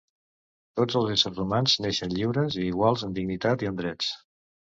Tots els éssers humans neixen lliures i iguals en dignitat i en drets.